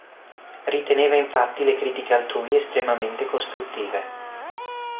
Riteneva infatti le critiche altrui estremamente costruttive.